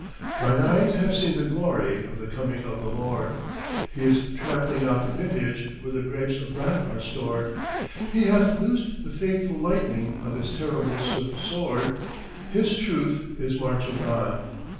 "Mine eyes have seen the glory of the coming of the Lord, He is trampling out the vintage where the grapes of wrath are stored; He hath loosed the fateful lightning of His terrible swift sword: His Truth is marching on.